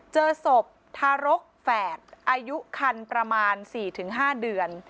เจอศพทารกแฝดอายุคันประมาณ๔๕เดือน